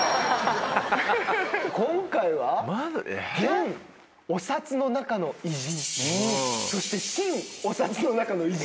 今回は「現お札の中の偉人」そして「新お札の中の偉人」。